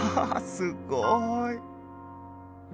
すごい！